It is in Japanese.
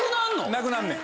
なくなんねん。